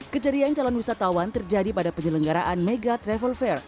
kejadian calon wisatawan terjadi pada penyelenggaraan mega travel fare